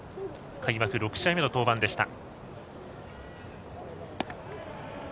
開幕６試合目の登板でした。